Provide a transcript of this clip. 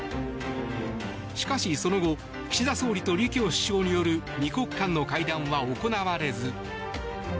しかし、その後岸田総理と李強首相による２国間の会談は行われず。